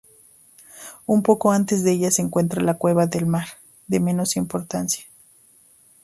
Un poco antes de ella se encuentra la Cueva del Mar, de menos importancia.